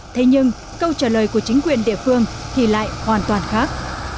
thế nhưng câu trả lời của chính quyền địa phương thì lại hoàn toàn khác